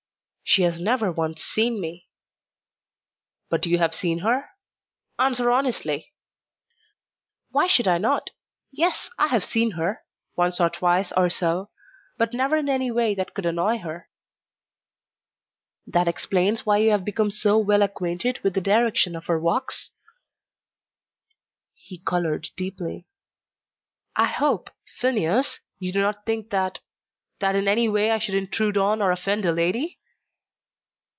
"She has never once seen me." "But you have seen her? Answer honestly." "Why should I not? Yes, I have seen her once or twice or so but never in any way that could annoy her." "That explains why you have become so well acquainted with the direction of her walks?" He coloured deeply. "I hope, Phineas, you do not think that that in any way I should intrude on or offend a lady?"